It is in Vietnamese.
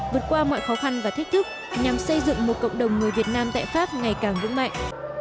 vượt qua mọi khó khăn và thách thức nhằm xây dựng một cộng đồng người việt nam tại pháp ngày càng vững mạnh